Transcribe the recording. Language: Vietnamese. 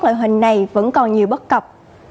loại hình này vẫn còn nhiều bất cập